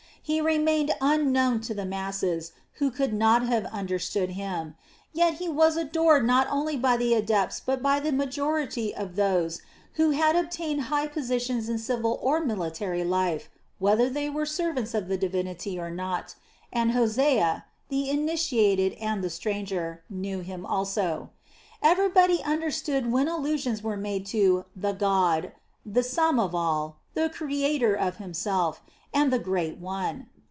He remained unknown to the masses, who could not have understood him; yet he was adored not only by the adepts but by the majority of those who had obtained high positions in civil or military life whether they were servants of the divinity or not and Hosea, the initiated and the stranger, knew him also. Everybody understood when allusion was made to "the God," the "Sum of All," the "Creator of Himself," and the "Great One."